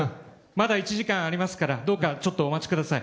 まだ１時間ありますからどうかお待ちください。